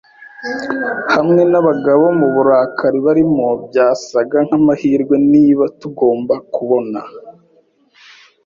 Hamwe nabagabo muburakari barimo, byasaga nkamahirwe niba tugomba kubona